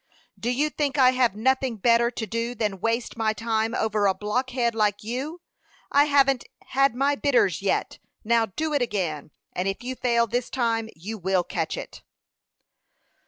"Do you think I have nothing better to do than waste my time over a blockhead like you? I haven't had my bitters yet. Now do it again; and if you fail this time you will catch it."